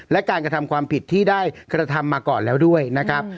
และการกระทำความผิดที่ได้กระทำมาก่อนแล้วด้วยนะครับ